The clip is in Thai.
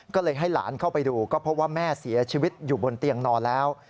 ก็เลยให้หลานเข้าไปดูก็พบว่าแม่เสียชีวิตอยู่บนเตียงนอนแล้ว